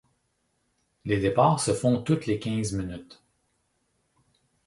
Les départs se font toutes les quinze minutes.